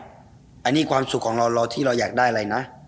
อันนี้ความสุขของเราที่เราอยากได้อะไรนะ